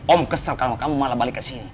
om kesal karena kamu malah balik ke sini